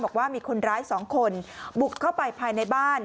บอกว่ามีคนร้าย๒คนบุกเข้าไปภายในบ้าน